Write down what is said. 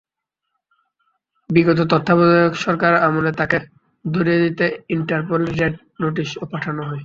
বিগত তত্ত্বাবধায়ক সরকারের আমলে তাঁকে ধরিয়ে দিতে ইন্টারপোলে রেড নোটিশও পাঠানো হয়।